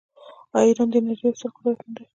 آیا ایران د انرژۍ یو ستر قدرت نه دی؟